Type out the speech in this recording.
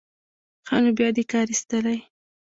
ښه نو بیا دې کار ایستلی.